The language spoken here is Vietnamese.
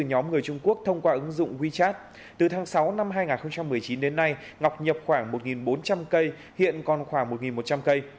nhóm người trung quốc thông qua ứng dụng wechat từ tháng sáu năm hai nghìn một mươi chín đến nay ngọc nhập khoảng một bốn trăm linh cây hiện còn khoảng một một trăm linh cây